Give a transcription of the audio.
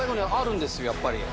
やっぱり。